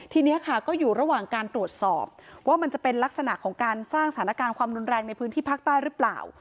ทีนี้ค่ะก็อยู่ระหว่างการตรวจสอบว่ามันจะเป็นลักษณะของการสร้างสถานการณ์ความรุนแรงในพื้นที่ภาคใต้หรือเปล่า